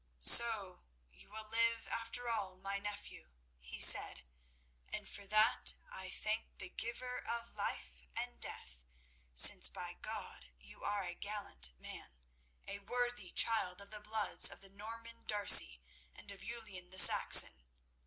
"So you will live after all, my nephew," he said, "and for that I thank the giver of life and death, since by God, you are a gallant man—a worthy child of the bloods of the Norman D'Arcy and of Uluin the Saxon.